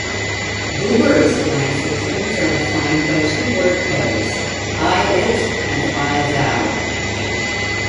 Buber explains that humans are defined by two word pairs: "I-It" and "I-Thou".